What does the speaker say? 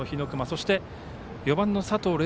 そして４番の佐藤玲